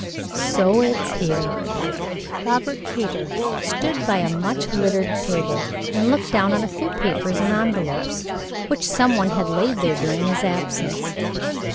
So it's here!" Robert Kater stood by a much littered table and looked down on a few papers and envelopes which some one had laid there during his absence.